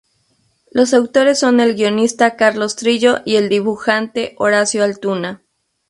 Los autores son el guionista Carlos Trillo y el dibujante Horacio Altuna.